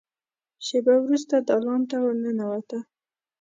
شېبه وروسته دالان ته ور ننوته.